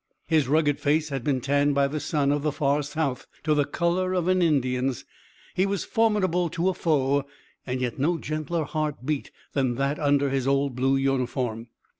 His rugged face had been tanned by the sun of the far south to the color of an Indian's. He was formidable to a foe, and yet no gentler heart beat than that under his old blue uniform.